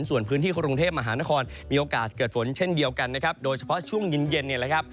ส่วนพื้นที่กรุงเทพฯมหานครมีโอกาสเกิดฝนเช่นเดียวกันโดยเฉพาะช่วงยินเย็น